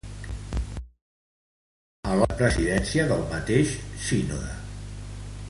Alhora, va assumir la presidència del mateix sínode.